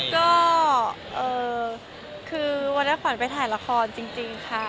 ก็คือวันนั้นขวัญไปถ่ายละครจริงค่ะ